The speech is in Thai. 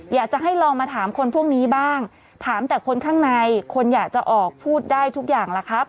อยากจะให้ลองมาถามคนพวกนี้บ้างถามแต่คนข้างในคนอยากจะออกพูดได้ทุกอย่างล่ะครับ